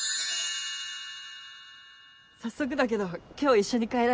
早速だけど今日一緒に帰らない？